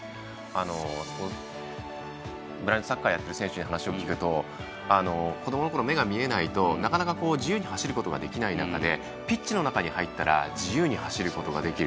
ブラインドサッカーをやっている選手に話を聞くと子どものころ目が見えないとなかなか自由に走れない中でピッチの中に入ったら自由に走ることができる。